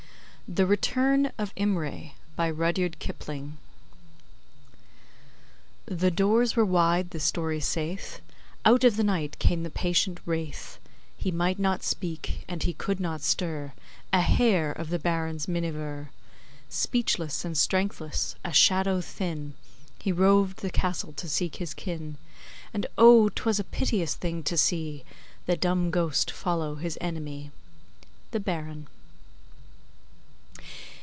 THE RETURN OF IMRAY The doors were wide, the story saith, Out of the night came the patient wraith, He might not speak, and he could not stir A hair of the Baron's minniver Speechless and strengthless, a shadow thin, He roved the castle to seek his kin. And oh, 'twas a piteous thing to see The dumb ghost follow his enemy! THE BARON.